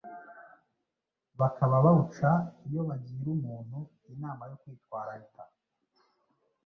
Bakaba bawuca iyo bagira umuntu inama yo kwitwararika